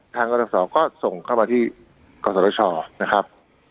ทางกฎศักดิ์สอบก็ส่งเข้ามาที่กฎศักดิ์สอบนะครับ